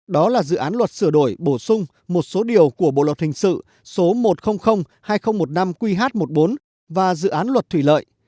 đó là dự án luật sửa đổi bổ sung một số điều của bộ luật hình sự số một trăm linh hai nghìn một mươi năm qh một mươi bốn và dự án luật thủy lợi